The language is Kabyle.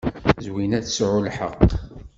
Zwina ad tesɛu lḥeqq.